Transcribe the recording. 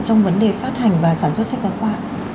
trong vấn đề phát hành và sản xuất sách giáo khoa